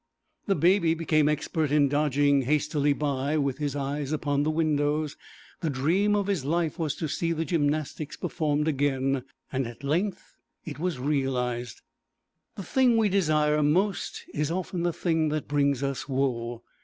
The Baby became expert in dodging hastily by, with his eyes upon the windows; the dream of his life was to see the gymnastics performed again; at length it was realised. The thing we desire most is often the thing that brings us woe.